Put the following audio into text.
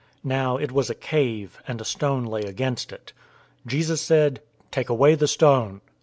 Now it was a cave, and a stone lay against it. 011:039 Jesus said, "Take away the stone."